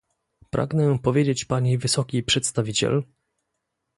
Pragnę powiedzieć pani wysokiej przedstawiciel